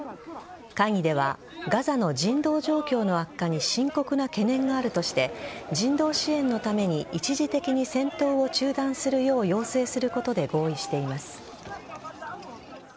会議ではガザの人道状況の悪化に深刻な懸念があるとして人道支援のために一時的に戦闘を中断するよう要請することで合意しています。